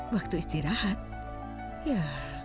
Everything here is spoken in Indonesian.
waktu istirahat ya